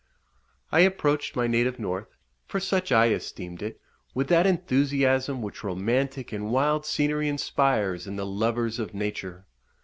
I approached my native north, for such I esteemed it, with that enthusiasm which romantic and wild scenery inspires in the lovers of nature.